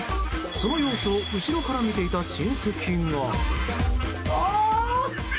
その様子を後ろから見ていた親戚が。